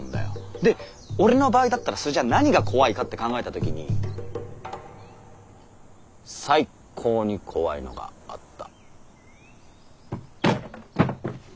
で俺の場合だったらそれじゃあ何が怖いかって考えた時にサイコーに怖いのがあった。